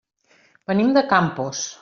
Venim de Campos.